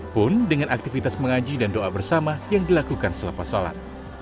pun dengan aktivitas mengaji dan doa bersama yang dilakukan selepas sholat